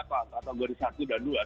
kategori satu dan dua